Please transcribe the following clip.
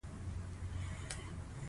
• دښمني د عدالت ضد ده.